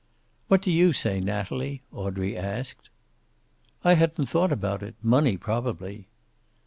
"What do you say, Natalie?" Audrey asked. "I hadn't thought about it. Money, probably."